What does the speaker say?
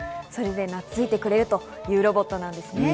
それでなついてくれるというロボットです。